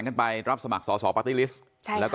การสอบส่วนแล้วนะ